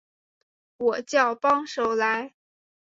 我叫帮手来